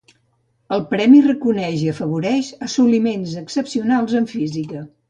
El premi reconeix i afavoreix assoliments excepcionals en física.